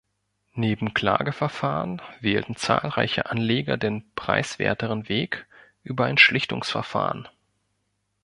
Neben Klageverfahren wählten zahlreiche Anleger den preiswerteren Weg über ein Schlichtungsverfahren.